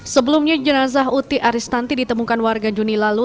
sebelumnya jenazah uti aristanti ditemukan warga juni lalu